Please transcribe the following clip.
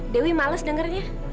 dewi males dengernya